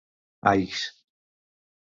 Aix